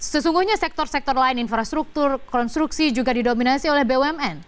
sesungguhnya sektor sektor lain infrastruktur konstruksi juga didominasi oleh bumn